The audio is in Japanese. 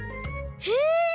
へえ！